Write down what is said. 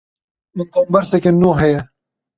Min komberseke nû heye.